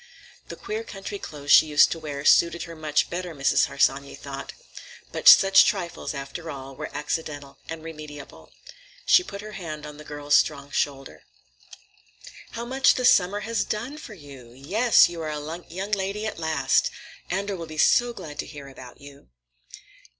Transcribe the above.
The queer country clothes she used to wear suited her much better, Mrs. Harsanyi thought. But such trifles, after all, were accidental and remediable. She put her hand on the girl's strong shoulder. "How much the summer has done for you! Yes, you are a young lady at last. Andor will be so glad to hear about you."